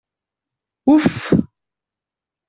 Uf!